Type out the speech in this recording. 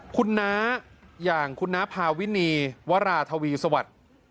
คุณน้าอย่างคุณน้าพาวินีวราธวีสวัสดิ์